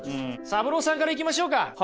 サブローさんからいきましょうか。